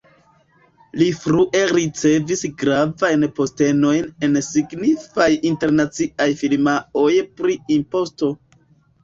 Li frue ricevis gravajn postenojn en signifaj internaciaj firmaoj pri imposto.